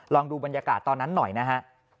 ลองดูบรรยากาศตอนนั้นหน่อยนะฮะ